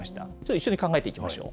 一緒に考えていきましょう。